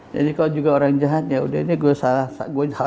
jadi kalo juga orang jahat yaudah ini gue salah